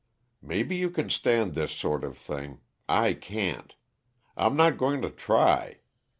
Maybe you can stand this sort of thing I can't. I'm not going to try.